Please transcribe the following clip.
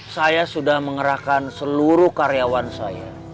saya sudah mengerahkan seluruh karyawan saya